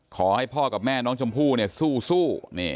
ขอให้พ่อกับแม่น้องชมพู่สู้